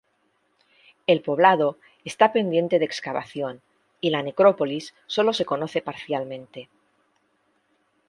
El poblado esta pendiente de excavación y la necrópolis sólo se conoce parcialmente.